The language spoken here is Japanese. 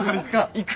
・行く？